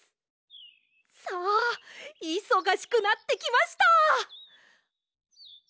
さあいそがしくなってきました！